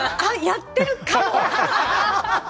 やってるかも。